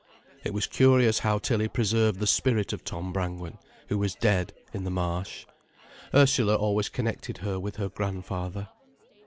It was curious how Tilly preserved the spirit of Tom Brangwen, who was dead, in the Marsh. Ursula always connected her with her grandfather.